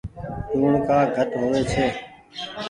لوڻ ڪآ گھٽ هووي ڇي۔